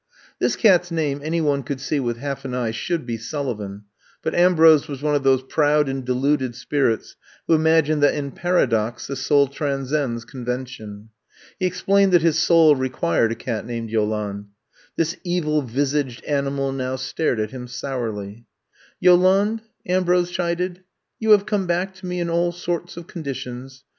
This cat 's name any one could see with half an eye should be Sullivan, but Ambrose was one of those proud and deluded spirits who imagine that in paradox the soul tran scends convention. He explained that his soul required a cat named Yolande. This evil visaged aoimal now stared at him sourly. *' Yolande,*' Ambrose chided, *'you have come back to me in all sorts of conditions.